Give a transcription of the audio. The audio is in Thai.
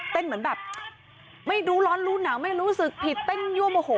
เหมือนแบบไม่รู้ร้อนรู้หนาวไม่รู้สึกผิดเต้นยั่วโมโห